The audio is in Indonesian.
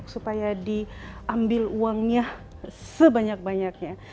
supaya diambil uangnya sebanyak banyaknya